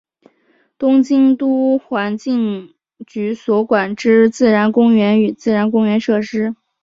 东京都环境局所管之自然公园与自然公园设施。